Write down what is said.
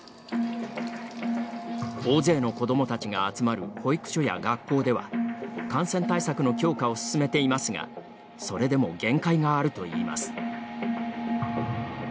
大勢の子どもたちが集まる保育所や学校では感染対策の強化を進めていますがそれでも限界があるといいます。